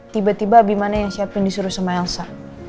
tiba tiba abimana yang siapin disuruh sama elsa